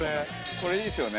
これいいですよね。